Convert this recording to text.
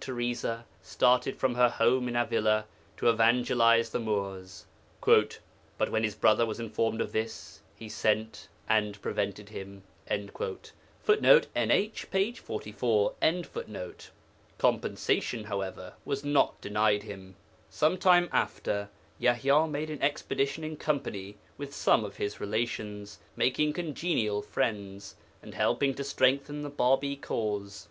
Teresa started from her home at Avila to evangelize the Moors. 'But when his brother was informed of this, he sent and prevented him.' [Footnote: NH, p. 44.] Compensation, however, was not denied him. Some time after, Yaḥya made an expedition in company with some of his relations, making congenial friends, and helping to strengthen the Bābī cause.